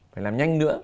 phải làm nhanh nữa